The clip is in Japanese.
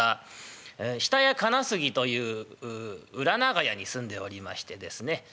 下谷金杉という裏長屋に住んでおりましてですね